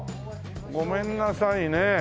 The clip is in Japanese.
ごめんなさいね。